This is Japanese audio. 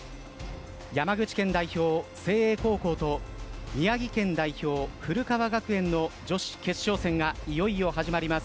山口県代表・誠英高校と宮城県代表・古川学園の女子決勝戦がいよいよ始まります。